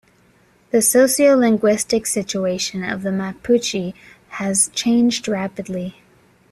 The sociolinguistic situation of the Mapuche has changed rapidly.